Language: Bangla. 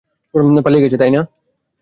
পালিয়ে গেছে, তাই না?